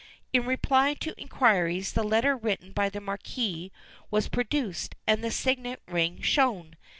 In reply to inquiries the letter written by the Marquis was produced, and the signet ring shown.